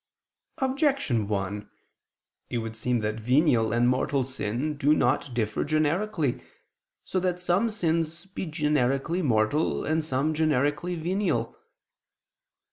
Objection 1: It would seem that venial and mortal sin do not differ generically, so that some sins be generically mortal, and some generically venial.